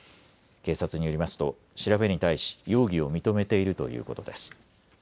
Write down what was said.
警察によりますと調べに対し容疑を認めているということです。